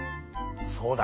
そうだ！